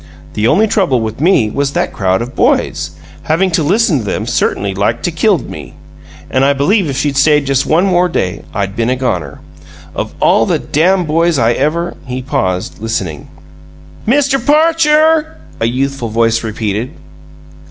The only trouble with me was that crowd of boys; having to listen to them certainly liked to killed me, and I believe if she'd stayed just one more day I'd been a goner! Of all the dam boys I ever " He paused, listening. "Mr. Parcher!" a youthful voice repeated.